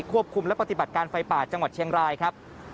ควบคุมและปฏิบัติการไฟป่าจังหวัดเชียงรายครับ